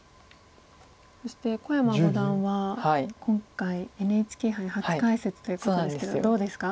そして小山五段は今回ＮＨＫ杯初解説ということですけどどうですか？